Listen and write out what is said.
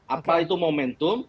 apa itu momentum